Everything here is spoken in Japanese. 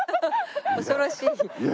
恐ろしい。